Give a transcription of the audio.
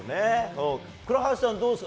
倉橋さんはどうですか？